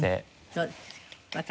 そうですか。